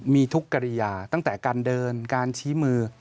มีทุกกริยาตั้งแต่การเดินการชี้มือ